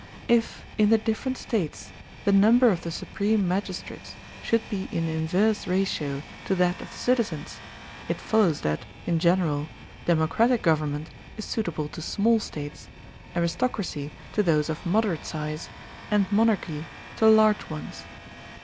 If, in the different States, the number of the supreme magistrates should be in inverse ratio to that of the cit izens, it follows that, in general, democratic government is suitable to small States, aristocracy to those of mod erate size, and monarchy to large ones.